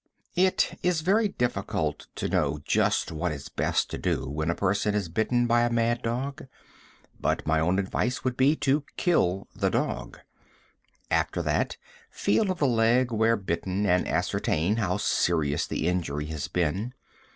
It is very difficult to know just what is best to do when a person is bitten by a mad dog, but my own advice would be to kill the dog. After that feel of the leg where bitten, and ascertain how serious the injury has been.